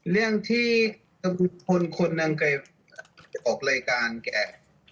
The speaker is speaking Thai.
เรื่องที่คนนางแกออกรายการแก